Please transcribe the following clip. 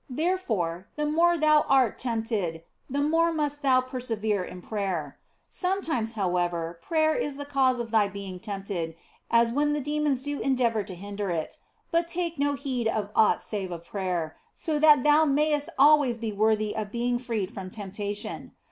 Therefore, the more thou art tempted the more must thou persevere in prayer. Sometimes, however, prayer is the cause of thy being tempted, as when demons do endeavour to hinder it. But take no heed of aught save of prayer, so that thou mayest always be worthy of being freed from temptation.